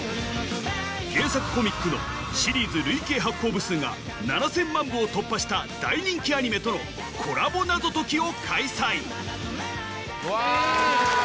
原作コミックのシリーズ累計発行部数が７０００万部を突破した大人気アニメとのコラボ謎解きを開催うわ！